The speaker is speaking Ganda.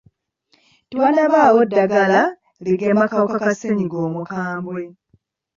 Tewannabaawo ddagala ligema kawuka ka ssennyiga omukambwe.